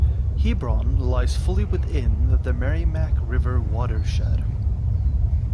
Hebron lies fully within the Merrimack River watershed.